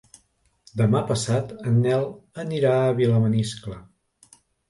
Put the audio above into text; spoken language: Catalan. Demà passat en Nel anirà a Vilamaniscle.